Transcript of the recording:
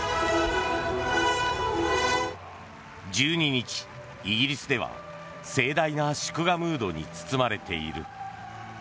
１２日、イギリスでは盛大な祝賀ムードに包まれている。